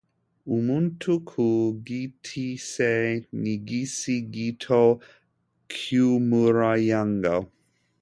Umuntu ku giti cye nigice gito cyumuryango.